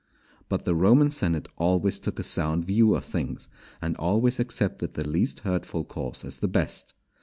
But the Roman senate always took a sound view of things, and always accepted the least hurtful course as the best.